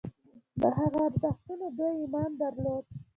په هغه ارزښتونو دوی ایمان درلود.